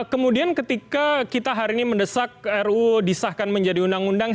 kemudian ketika kita hari ini mendesak ruu disahkan menjadi undang undang